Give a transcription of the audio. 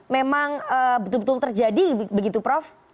memang betul betul terjadi begitu prof